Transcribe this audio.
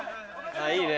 いいね。